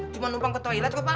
cuma numpang ke toilet kok pak